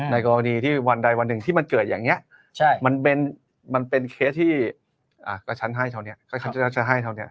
ในกรณีวันใดวันหนึ่งที่มันเกิดอย่างเนี่ยมันเป็นเคสที่กระชันให้เฉาเนี่ย